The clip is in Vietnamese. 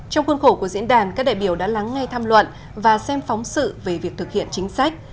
trong khuôn khổ của diễn đàn các đại biểu đã lắng ngay tham luận và xem phóng sự về việc thực hiện chính sách